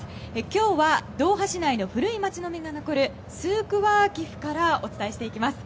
今日はドーハ市内の古い街並みが残るスークワーキフからお伝えしていきます。